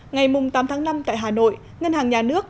ngày tám tháng năm tại hà nội ngân hàng nhà nước